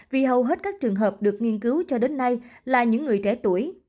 vì hầu hết các trường hợp được nghiên cứu cho đến nay là những người trẻ tuổi